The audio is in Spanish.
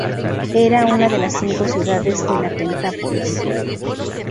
Era una de las cinco ciudades de la Pentápolis.